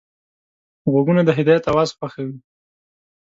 غوږونه د هدایت اواز خوښوي